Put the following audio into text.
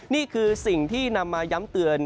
นี่คือสิ่งที่นำมาย้ำเตือน